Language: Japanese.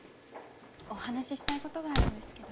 お話ししたいことがあるんですけど。